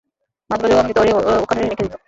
মাঝে মাঝে ও আমাকে ধরে ওখানে রেখে দিত।